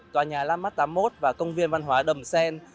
tòa nhà lam mát tám mươi một và công viên văn hóa đầm xen